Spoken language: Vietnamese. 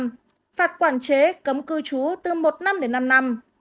phạt quản chế cấm cư trú từ một năm đến năm năm